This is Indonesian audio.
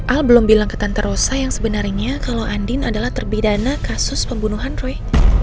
al belum bilang ke tante rosa yang sebenarnya kalau andin adalah terpidana kasus pembunuhan roy